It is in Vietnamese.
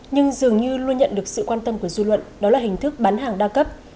nhưng dường như luôn nhận được sự quan tâm của dư luận đó là hình thức bán hàng đa cấp